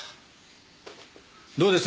どうです？